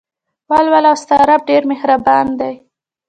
ولوله او ستا رب ډېر مهربان دى.